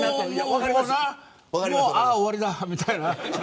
ああ、終わりだみたいな。